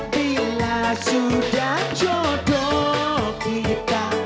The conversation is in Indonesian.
bila sudah jodoh kita